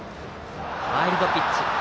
ワイルドピッチ。